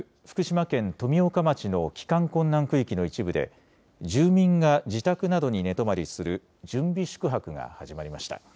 福島県富岡町の帰還困難区域の一部で住民が自宅などに寝泊まりする準備宿泊が始まりました。